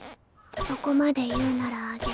そこまで言うならあげる。